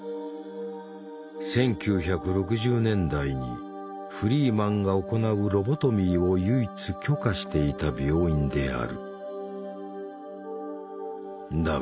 １９６０年代にフリーマンが行うロボトミーを唯一許可していた病院である。